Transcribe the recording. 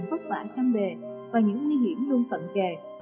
vất vả trong đề và những nguy hiểm luôn tận kề